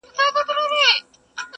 دا بلي ډېوې مړې که زما خوبونه تښتوي!!